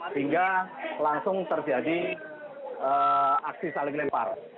sehingga langsung terjadi aksi saling lempar